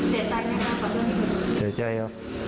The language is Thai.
เสียใจยังครับขอโทษให้คุณ